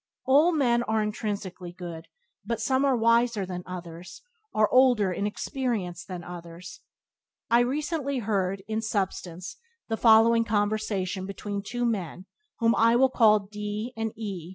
All men are intrinsically good, but some are wiser than others, are older in experience than others. I recently heard, in substance, the following conversation between two men whom I will call D and E